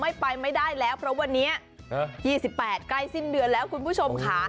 ไม่ไปไม่ได้แล้วเพราะวันนี้๒๘ใกล้สิ้นเดือนแล้วคุณผู้ชมค่ะ